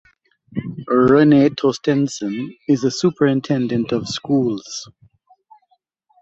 Renae Tostenson is the Superintendent of Schools.